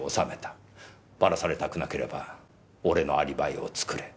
バラされたくなければ俺のアリバイを作れ。